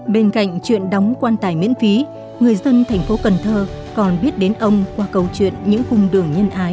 bên cạnh chuyện đóng quan tài miễn phí người dân thành phố cần thơ còn biết đến ông qua câu chuyện những cung đường nhân ái